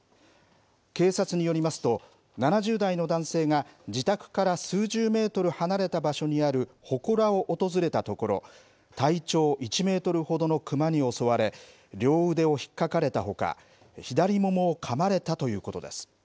警察によりますと７０代の男性が自宅から数十メートル離れた場所にあるほこらを訪れたところ体長１メートルほどの熊に襲われ両腕をひっかかれたほか左ももをかまれたということです。